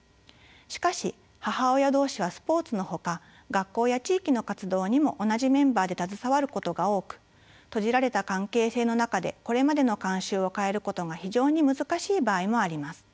しかし母親同士はスポーツのほか学校や地域の活動にも同じメンバーで携わることが多く閉じられた関係性の中でこれまでの慣習を変えることが非常に難しい場合もあります。